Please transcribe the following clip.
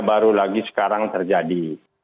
baru lagi sekarang terjadi